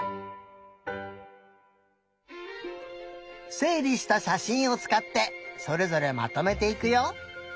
せいりしたしゃしんをつかってそれぞれまとめていくよ。